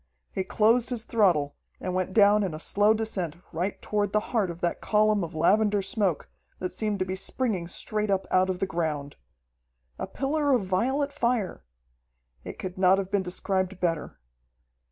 He closed his throttle and went down in a slow descent right toward the heart of that column of lavender smoke that seemed to be springing straight up out of the ground. "A pillar of violet fire!" It could not have been described better.